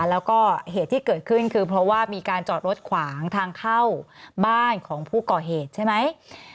แล้วก็เหตุที่เกิดขึ้นคือเพราะว่ามีการจอดรถขวางทางเข้าบ้านของผู้ก่อเหตุใช่ไหม